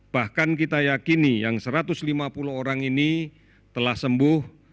bahkan kita yakini yang satu ratus lima puluh orang ini telah sembuh